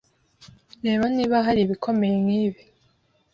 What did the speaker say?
Reba niba hari ibikomeye nkibi